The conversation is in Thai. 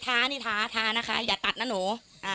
นี่ท้าท้านะคะอย่าตัดนะหนู